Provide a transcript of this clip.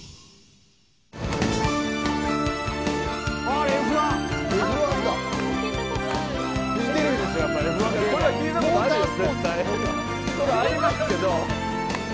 ありますけど。